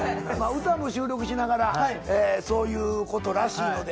歌も収録しながらそういうことらしいので。